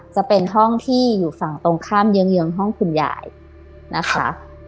จะเป็นห้องที่อยู่ฝั่งตรงข้ามเยื้องห้องคุณยายนะคะ